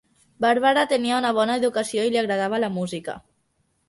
Barbara tenia una bona educació i li agradava la música.